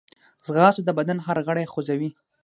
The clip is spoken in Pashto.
ځغاسته د بدن هر غړی خوځوي